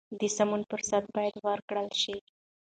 د سمون فرصت باید ورکړل شي.